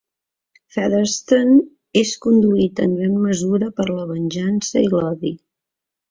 Featherston és conduït en gran mesura per la venjança i l'odi.